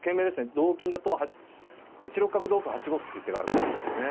同金だと８六角同歩８五歩っていう手があるかもしれないですね。